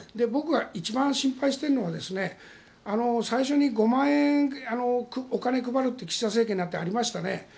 僕は一番心配しているのは最初に５万円お金配るって岸田政権になってありましたね。